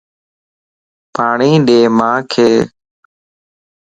پاڻي ڏي مانک